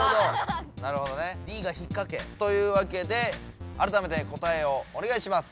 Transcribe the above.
なるほどＤがひっかけ。というわけであらためて答えをおねがいします。